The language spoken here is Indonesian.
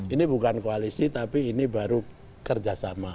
ini bukan koalisi tapi ini baru kerjasama